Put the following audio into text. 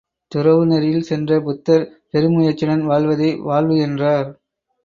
துறவு நெறியில் சென்ற புத்தர் பெருமுயற்சியுடன் வாழ்வதை வாழ்வு என்றார்.